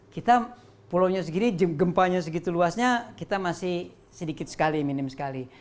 kita pulaunya segini gempanya segitu luasnya kita masih sedikit sekali minim sekali